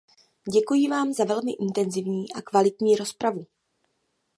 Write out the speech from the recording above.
Děkuji vám za velmi intenzivní a kvalitní rozpravu.